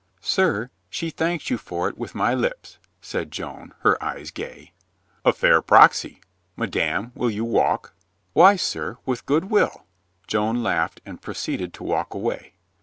"Sir, she thanks you for it with my lips," said Joan, her eyes gay. "A fair proxy. Madame, will you walk?" "Why, sir, with good will," Joan laughed and proceeded to walk away.